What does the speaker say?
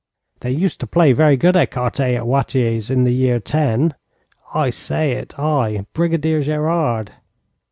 They used to play very good écarté at Watier's in the year '10. I say it I, Brigadier Gerard.